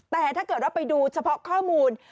แต่ถ้าเกิดว่าไปดูเฉพาะข้อมูล